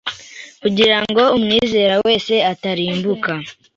kugirango umwizera wese atarimbuka,